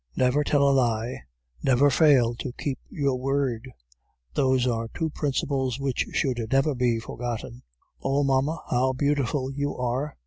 Never tell a lie; never fail to keep your word those are two principles which should never be forgotten.' "'Oh! mamma, how beautiful you are!